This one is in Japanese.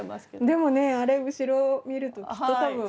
でもねあれ後ろ見るときっと多分。